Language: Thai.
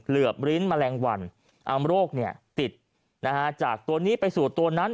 เหลือบลิ้นมะแรงวันอำโรคนี้ติดจากตัวนี้ไปสู่ตัวนั้น